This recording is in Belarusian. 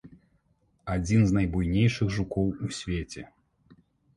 Адзін з найбуйнейшых жукоў у свеце.